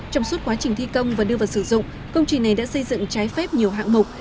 trong suốt quá trình thi công và đưa vào sử dụng công trình này đã xây dựng trái phép nhiều hạng mục